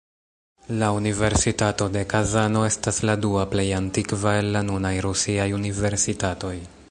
La Universitato de Kazano estas la dua plej antikva el la nunaj rusiaj universitatoj.